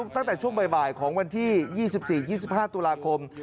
ตั้งแต่ช่วงบ่ายของวันที่๒๔๒๕ตุลาคม